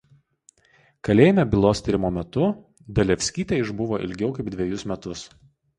Kalėjime bylos tyrimo metu Dalevskytė išbuvo ilgiau kaip dvejus metus.